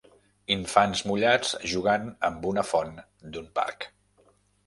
infants mullats jugant amb una font d'un parc